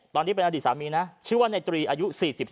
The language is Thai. ตอนนี้เป็นอดีตสามีนะชื่อว่าในตรีอายุ๔๓